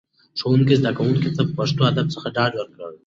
ښوونکي زده کوونکو ته په پښتو ژبه ډاډ ورکړ.